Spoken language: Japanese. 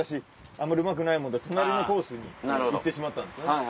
あんまりうまくないもんで隣のコースに行ってしまったんですね。